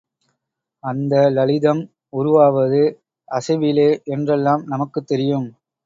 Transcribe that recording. அந்த லளிதம் உருவாவது அசைவிலே என்றெல்லாம் நமக்குத் தெரியும்.